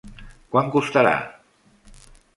Quant costarà?